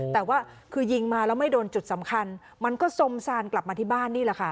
แต่ว่าคือยิงมาแล้วไม่โดนจุดสำคัญมันก็สมซานกลับมาที่บ้านนี่แหละค่ะ